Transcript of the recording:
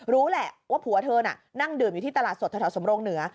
รู้แหละว่าผัวเธอน่ะนั่งดื่มอยู่ที่ตลาดสดแถวสำรงเหนือ